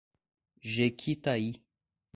Jequitaí